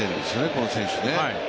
この選手はね。